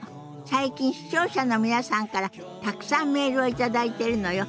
最近視聴者の皆さんからたくさんメールを頂いてるのよ。